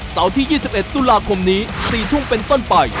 ที่๒๑ตุลาคมนี้๔ทุ่มเป็นต้นไป